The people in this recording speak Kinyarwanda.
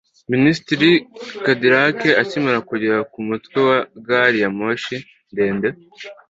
minisitiri cadillac akimara kugera ku mutwe wa gari ya moshi ndende